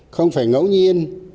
không phải ngẫu nhiên